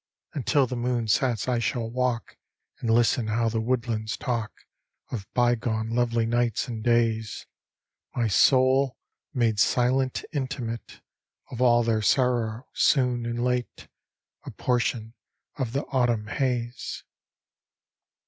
Until the moon sets I shall walk, And listen how the woodlands talk Of bygone lovely nights and days: My soul, made silent intimate Of all their sorrow, soon and late A portion of the autumn haze.